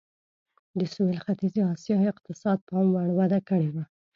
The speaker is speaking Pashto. د سوېل ختیځې اسیا اقتصاد پاموړ وده کړې وه.